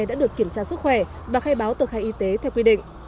đã được kiểm tra sức khỏe và khai báo tờ khai y tế theo quy định